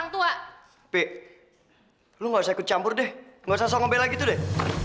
tapi lo gak usah ikut campur deh gak usah sok ngobel lagi tuh deh